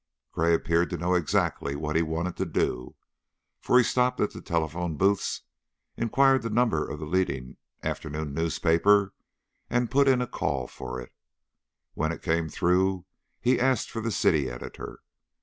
Gray appeared to know exactly what he wanted to do, for he stopped at the telephone booths, inquired the number of the leading afternoon newspaper, and put in a call for it. When it came through he asked for the city editor.